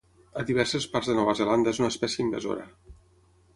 A diverses parts de Nova Zelanda és una espècie invasora.